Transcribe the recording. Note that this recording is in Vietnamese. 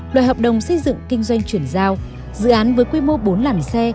loại hợp đồng xây dựng kinh doanh chuyển giao dự án với quy mô bốn làn xe